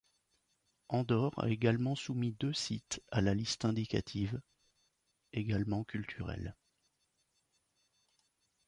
Andorre a également soumis deux sites à la liste indicative, également culturels.